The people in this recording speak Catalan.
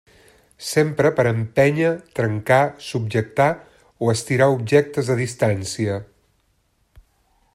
S'empra per empènyer, trencar, subjectar o estirar objectes a distància.